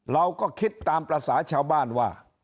เราก็คิดตามภาษาชาวบ้านว่า